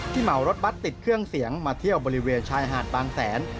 เหมารถบัตรติดเครื่องเสียงมาเที่ยวบริเวณชายหาดบางแสน